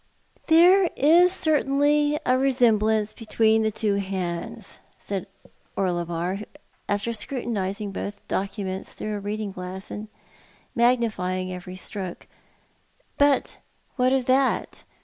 " There is certainly a resemblance between the two hands," said Orlebar, after scrutinising both documents through a reading glass, which magnified every stroke, "but what ot that?